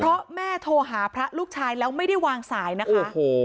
เพราะแม่โทรหาพระลูกชายแล้วไม่ได้วางสายนะคะ